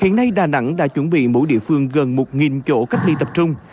hiện nay đà nẵng đã chuẩn bị mỗi địa phương gần một chỗ cách ly tập trung